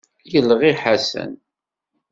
Yelɣi Ḥasan.